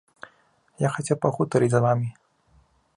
Я хацеў пагутарыць з вамі.